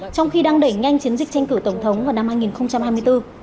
trong khi đang đẩy nhanh chiến dịch tranh cử tổng thống vào năm hai nghìn hai mươi bốn